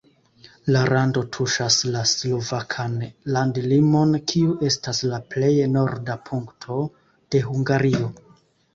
La rando tuŝas la slovakan landlimon, kiu estas la plej norda punkto de Hungario.